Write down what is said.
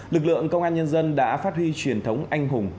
lực lượng công an nhân dân đã phát huy truyền thống anh hùng